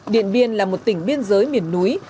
điện biên là một tỉnh biên giới miền núi